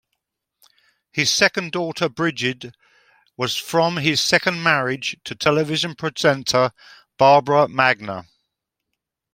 His second daughter Brigid was from his second marriage to television presenter, Barbara Magner.